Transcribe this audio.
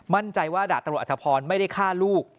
มั่นใจว่าดาบตำรวจอธพรไม่ได้ฆ่าลูก